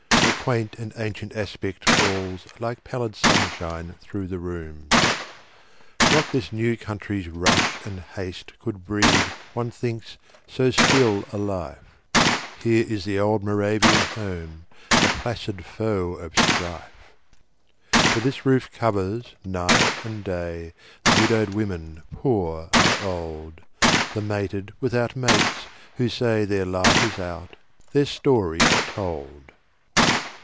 A quaint and ancient aspect falls Like pallid sunshine through the rooms. Not this new country's rush and haste Could breed, one thinks, so still a life; Here is the old Moravian home, A placid foe of strife. For this roof covers, night and day, The widowed women poor and old, The mated without mates, who say Their light is out, their story told.